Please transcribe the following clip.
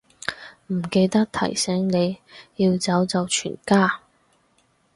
唔記得提醒你，要走就全家